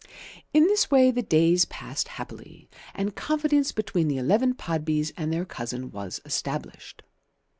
In this way the days passed happily, and confidence between the eleven Podbys and their cousin was established.